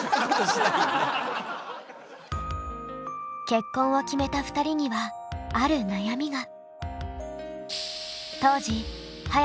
結婚を決めた２人にはある悩みが。